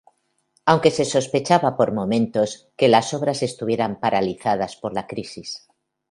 Aunque se sospechaba por momentos que las obras estuvieran paralizadas por la crisis.